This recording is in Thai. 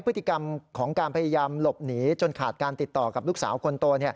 พฤติกรรมของการพยายามหลบหนีจนขาดการติดต่อกับลูกสาวคนโต